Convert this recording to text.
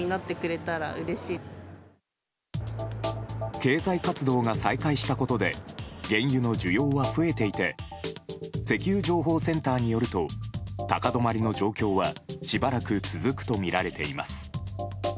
経済活動が再開したことで原油の需要は増えていて石油情報センターによると高止まりの状況はしばらく続くとみられています。